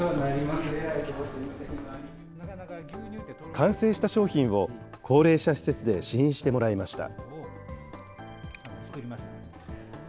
完成した商品を高齢者施設で試飲してもらいました。